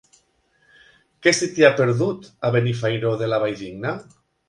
Què se t'hi ha perdut, a Benifairó de la Valldigna?